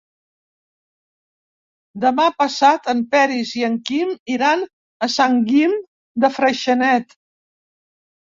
Demà passat en Peris i en Quim iran a Sant Guim de Freixenet.